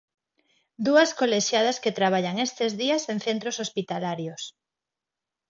Dúas colexiadas que traballan estes días en centros hospitalarios.